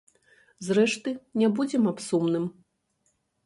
Зрэшты, не будзем аб сумным.